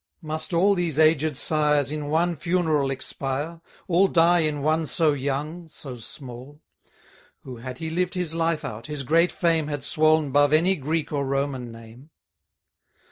Must all these aged sires in one funeral Expire? all die in one so young, so small? Who, had he lived his life out, his great fame Had swoln 'bove any Greek or Roman name.